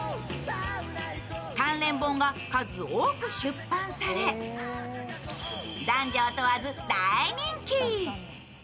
関連本が数多く出版され、男女を問わず大人気。